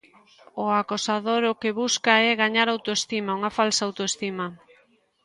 O acosador o que busca é gañar autoestima, unha falsa autoestima.